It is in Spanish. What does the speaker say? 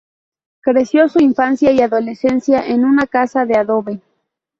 Creció su infancia y adolescencia en una casa de adobe.